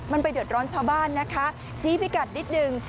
มันไปเดือดร้อนชาวบ้านนะคะชี้พิกัดนิดนึง